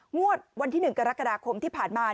งวดวันที่๑กรกฎาคมที่ผ่านมา